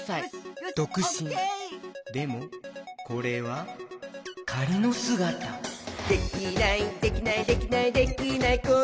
でもこれはかりのすがた「できないできないできないできない子いないか」